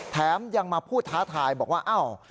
แถมยังมาพูดท้าทายบอกว่าอ้าว